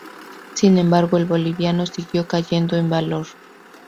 Sin embargo, el boliviano siguió cayendo en valor.